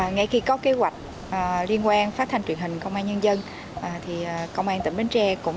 ngay khi có kế hoạch liên quan phát thanh truyền hình công an nhân dân công an tỉnh bến tre cũng